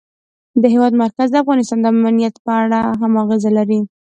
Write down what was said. د هېواد مرکز د افغانستان د امنیت په اړه هم اغېز لري.